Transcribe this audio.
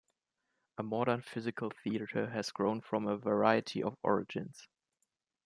A modern physical theater has grown from a variety of origins.